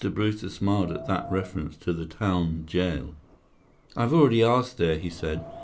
Brewster smiled at that reference to the town jail. "I've already asked there," he said.